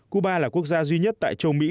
cuba là quốc gia duy nhất tại châu mỹ